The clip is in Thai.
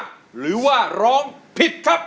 หรือว่าร้องผิดครับ